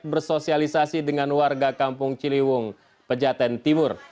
bersosialisasi dengan warga kampung ciliwung pejaten timur